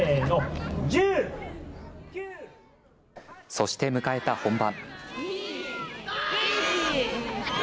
そして迎えた本番。